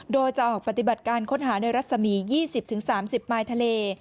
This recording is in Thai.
โดยจะออกปฏิบัติการค้นหาในรัฐสมียี่สิบถึงสามสิบมายทะเล